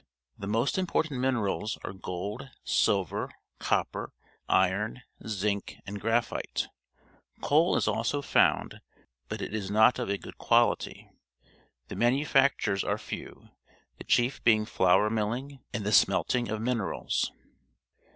The most im portant minerals are gold, silver, copper, iron, zinc, and grapliite. Coal is also found, but it is not of a good quality. The manufactures are few, the chief being flour milHng and the smelting of minerals.